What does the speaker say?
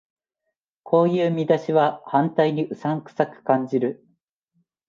こういう見出しは反対にうさんくさく感じる